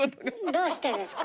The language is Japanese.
どうしてですか？